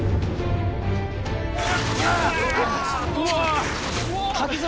・・うわ！